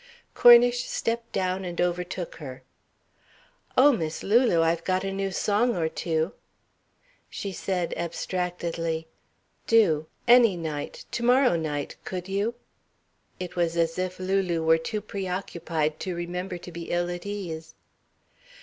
Cornish stepped down and overtook her. "Oh, Miss Lulu. I've got a new song or two " She said abstractedly: "Do. Any night. To morrow night could you " It was as if Lulu were too preoccupied to remember to be ill at ease.